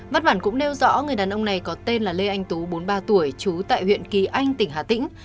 văn bản cũng nêu rõ người đàn ông này có tên là lê anh tú bốn mươi ba tuổi trú tại huyện kỳ anh tỉnh hà tĩnh